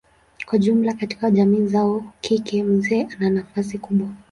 Kwa jumla katika jamii zao kike mzee ana nafasi kubwa.